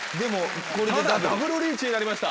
ただダブルリーチになりました。